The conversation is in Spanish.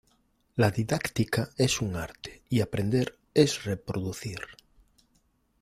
La didáctica es un arte y aprender es reproducir.